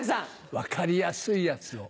分かりやすいやつを。